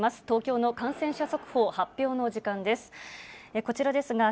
東京の感染者速報発表の時間です。